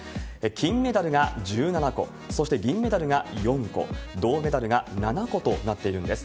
金メダルが１７個、そして銀メダルが４個、銅メダルが７個となっているんです。